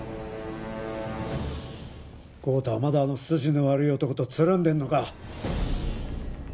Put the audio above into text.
豪太はまだあの筋の悪い男とつるんでるのか？